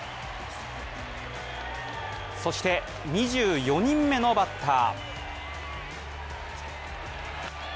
そして、２４人目のバッター。